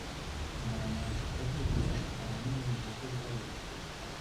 Абараняючы крэпасць, быў цяжка паранены і ўзяты ў палон.